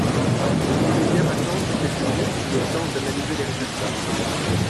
Vous voulez bien m’attendre quelques minutes, le temps d’analyser les résultats.